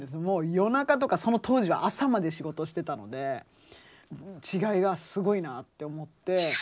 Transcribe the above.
もう夜中とかその当時は朝まで仕事してたので違いがすごいなって思って。